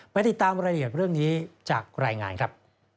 ติดตามรายละเอียดเรื่องนี้จากรายงานครับ